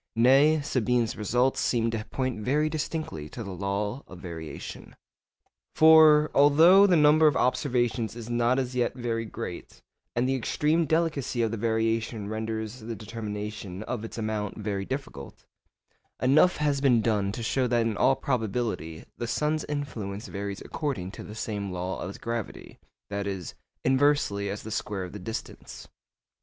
Nay, Sabine's results seem to point very distinctly to the law of variation. For, although the number of observations is not as yet very great and the extreme delicacy of the variation renders the determination of its amount very difficult, enough has been done to show that in all probability the sun's influence varies according to the same law as gravity—that is, inversely as the square of the distance.